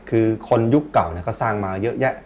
คือคนยุคเก่าก็สร้างมาเยอะแยะ